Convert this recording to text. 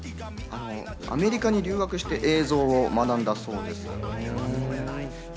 アメリカに留学して映像を学んだそうです。